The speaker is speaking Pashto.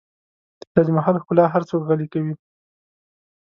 د تاج محل ښکلا هر څوک غلی کوي.